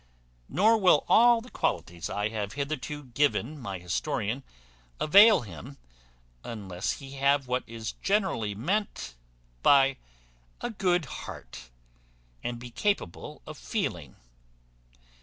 Nor will all the qualities I have hitherto given my historian avail him, unless he have what is generally meant by a good heart, and be capable of feeling.